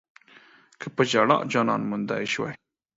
که پۀ ژړا جانان موندی شوی